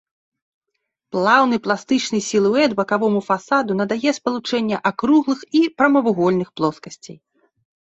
Плаўны пластычны сілуэт бакавому фасаду надае спалучэнне акруглых і прамавугольных плоскасцей.